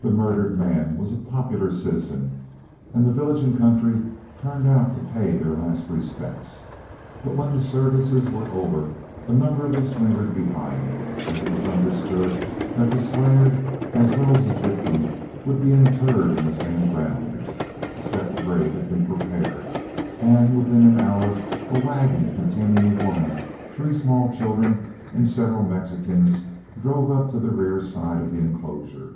The murdered man was a popular citizen, and the village and country turned out to pay their last respects. But when the services were over, a number of us lingered behind, as it was understood that the slayer as well as his victim would be interred in the same grounds. A second grave had been prepared, and within an hour a wagon containing a woman, three small children, and several Mexicans drove up to the rear side of the inclosure.